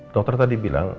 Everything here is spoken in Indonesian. dokter tadi bilang